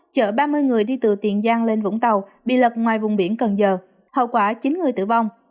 chở ba mươi người đi từ tiền giang lên vũng tàu bị lật ngoài vùng biển cần giờ hậu quả chín người tử vong